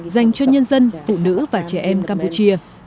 dành cho nhân dân phụ nữ và trẻ em campuchia